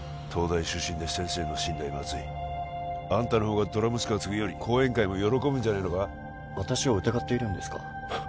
東大出身で先生の信頼も厚いあんたのほうがドラ息子が継ぐより後援会も喜ぶんじゃないのか私を疑っているんですか？